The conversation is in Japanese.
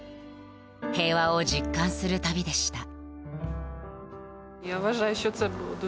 平和を実感する旅でした。